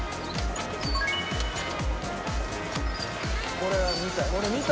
これは見た。